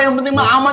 yang penting mah aman